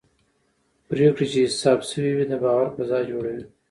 پرېکړې چې حساب شوي وي د باور فضا جوړوي